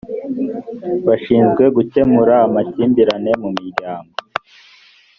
bashinzwe gukemura makimbirane mumiryango